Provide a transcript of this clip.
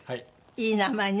いい名前ね。